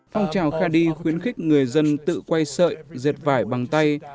phong trào khadi khuyến khích người dân tự quay sợi diệt vải bằng tay